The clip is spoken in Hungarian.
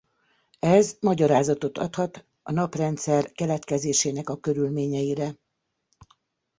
Ez magyarázatot adhat a Naprendszer keletkezésének a körülményeire.